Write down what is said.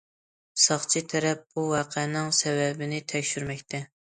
ساقچى تەرەپ بۇ ۋەقەنىڭ سەۋەبىنى تەكشۈرمەكتە.